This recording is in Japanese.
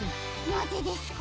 なぜですか？